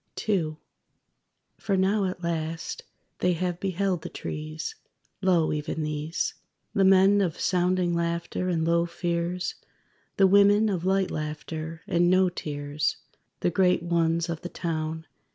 _) II For now at last, they have beheld the trees. Lo, even these! The men of sounding laughter and low fears; The women of light laughter, and no tears; The great ones of the town.